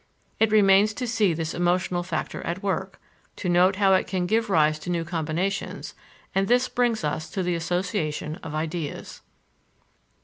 It remains to see this emotional factor at work, to note how it can give rise to new combinations; and this brings us to the association of ideas.